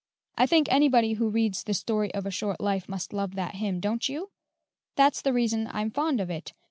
I think anybody who reads the 'Story of a Short Life' must love that hymn, don't you? That's the reason I'm fond of it.